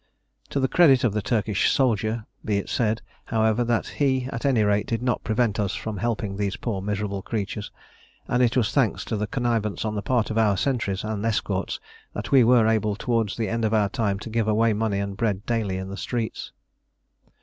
To the credit of the Turkish soldier be it said, however, that he at any rate did not prevent us from helping these poor miserable creatures; and it was thanks to connivance on the part of our sentries and escorts that we were able towards the end of our time to give away money and bread daily in the streets.